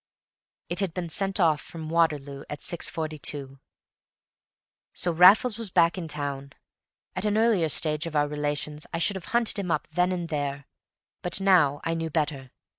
It had been sent off from Waterloo at 6.42. So Raffles was back in town; at an earlier stage of our relations I should have hunted him up then and there, but now I knew better.